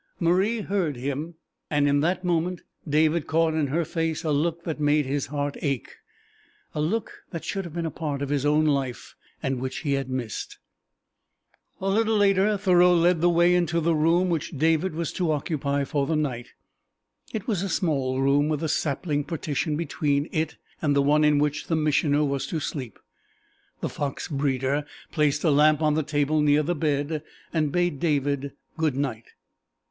Marie heard him, and in that moment David caught in her face a look that made his heart ache a look that should have been a part of his own life, and which he had missed. A little later Thoreau led the way into the room which David was to occupy for the night. It was a small room, with a sapling partition between it and the one in which the Missioner was to sleep. The fox breeder placed a lamp on the table near the bed, and bade David good night.